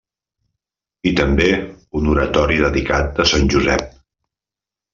I també un oratori dedicat a Sant Josep.